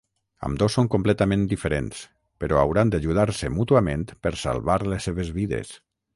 Ambdós són completament diferents, però hauran d'ajudar-se mútuament per salvar les seves vides.